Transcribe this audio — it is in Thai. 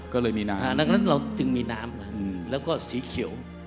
อ๋อก็เลยโดยมีน่าแล้วก็สีเขียว